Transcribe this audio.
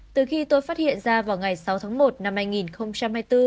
từ khi tôi phát hiện ra vào ngày sáu tháng một năm hai nghìn hai mươi bốn